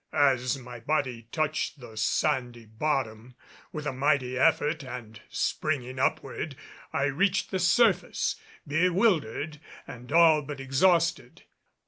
As my body touched the sandy bottom, with a mighty effort and springing upward I reached the surface, bewildered and all but exhausted.